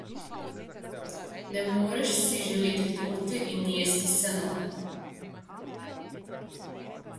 Ne moreš si želeti torte in jesti seno.